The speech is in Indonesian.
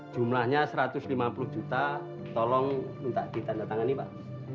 jumlahnya satu ratus lima puluh juta tolong minta ditandatangani pak